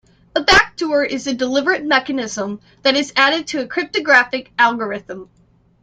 A backdoor is a deliberate mechanism that is added to a cryptographic algorithm.